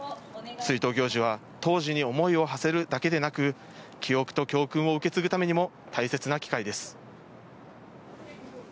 追悼行事は当時に思いをはせるだけでなく、記憶と教訓を受け継ぐためにも大切な機会です。